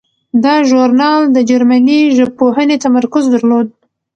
دا ژورنال د جرمني ژبپوهنې تمرکز درلود.